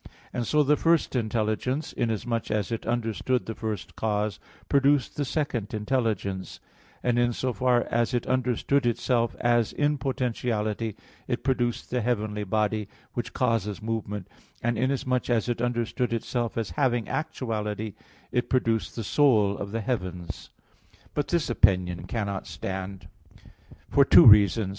3). And so the first intelligence, inasmuch as it understood the first cause, produced the second intelligence; and in so far as it understood itself as in potentiality it produced the heavenly body, which causes movement, and inasmuch as it understood itself as having actuality it produced the soul of the heavens. But this opinion cannot stand, for two reasons.